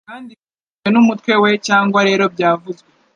Kandi bibitswe mumutwe we cyangwa rero byavuzwe